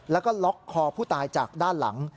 แล้วก็ล็อกคอผู้ตายจากด้านหลัง